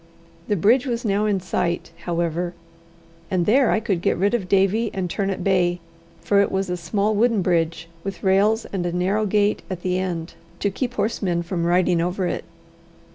The bridge was now in sight, however, and there I could get rid of Davie and turn at bay, for it was a small wooden bridge, with rails and a narrow gate at the end to keep horsemen from riding over it.